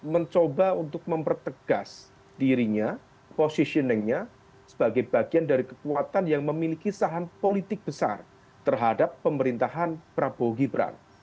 mencoba untuk mempertegas dirinya positioningnya sebagai bagian dari kekuatan yang memiliki saham politik besar terhadap pemerintahan prabowo gibran